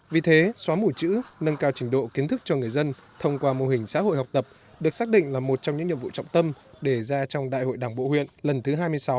vì thế xóa mủ chữ nâng cao trình độ kiến thức cho người dân thông qua mô hình xã hội học tập được xác định là một trong những nhiệm vụ trọng tâm để ra trong đại hội đảng bộ huyện lần thứ hai mươi sáu